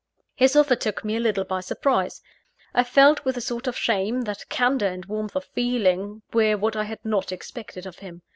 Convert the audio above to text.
His offer took me a little by surprise. I felt with a sort of shame, that candour and warmth of feeling were what I had not expected from him.